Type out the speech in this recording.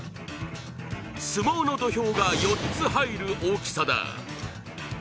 相撲の土俵が４つ入る大きさだ。